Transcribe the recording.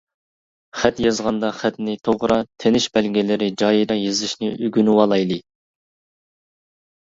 خەت يازغاندا خەتنى توغرا، تىنىش بەلگىلىرى جايىدا يېزىشنى ئۆگىنىۋالايلى!